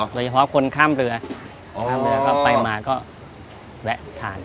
หรือเฉพาะคนข้ามเรือไปมาก็แวะทาน